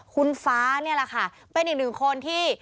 คุณฟ้านี่แหละค่ะเป็นอีกหนึ่งคนที่